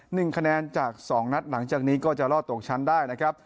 หนึ่งคะแนนจากสองนัดหลังจากนี้ก็จะรอดตกชั้นได้นะครับ